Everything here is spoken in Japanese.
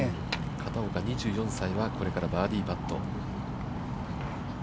片岡、２４歳は、これからバーディーパット。